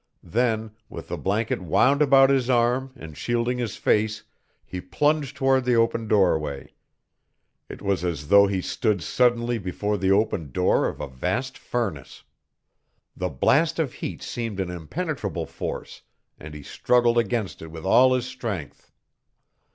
Then, with the blanket wound about his arm and shielding his face he plunged toward the open doorway. It was as though he stood suddenly before the open door of a vast furnace. The blast of heat seemed an impenetrable force, and he struggled against it with all his strength.